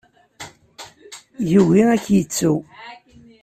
Yugi ad k-yettu.